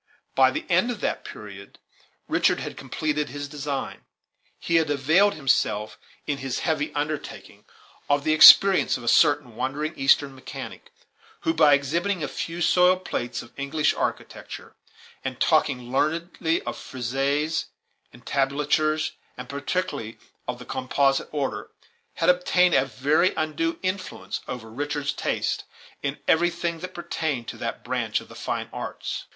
By the end of that period, Richard had completed his design. He had availed himself, in this heavy undertaking, of the experience of a certain wandering eastern mechanic, who, by exhibiting a few soiled plates of English architecture, and talking learnedly of friezes, entablatures, and particularly of the composite order, had obtained a very undue influence over Richard's taste in everything that pertained to that branch of the fine arts.